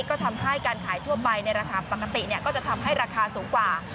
ก็ทำให้การขายทั่วไปในราคาปกติก็จะทำให้ราคาสูงกว่า